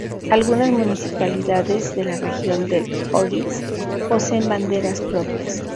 Algunas municipalidades de la Región del O'Higgins poseen banderas propias.